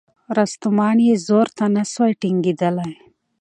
رستمان یې زور ته نه سوای ټینګېدلای